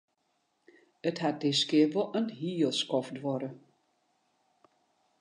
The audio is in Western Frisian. It hat diskear wol in hiel skoft duorre.